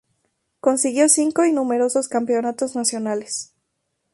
Consiguió cinco y numerosos campeonatos nacionales.